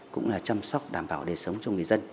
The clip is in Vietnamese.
cũng là chăm sóc đảm bảo đời sống cho người dân